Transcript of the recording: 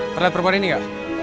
pernah lihat perempuan ini ga